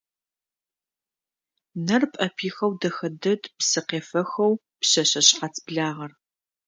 Нэр пӏэпихэу дэхэ дэд псыкъефэхэу «Пшъэшъэ шъхьац благъэр».